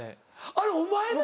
あれお前なの？